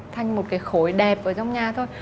thành một cái khối đẹp ở trong nhà thôi